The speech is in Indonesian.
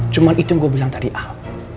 cuman itu yang gue bilang tadi al